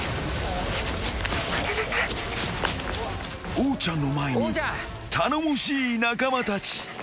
［おーちゃんの前に頼もしい仲間たち］